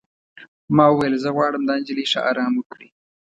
ما وویل: زه خپله غواړم دا نجلۍ ښه ارام وکړي.